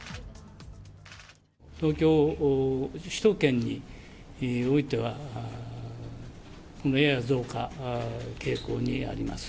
東京、首都圏においては、やや増加傾向にあります。